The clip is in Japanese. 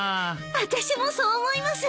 私もそう思います！